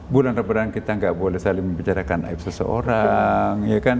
bulan ramadhan kita nggak boleh saling membicarakan aib seseorang